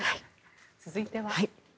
続いては。